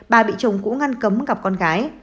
bà bị chồng cũ ngăn cấm gặp con gái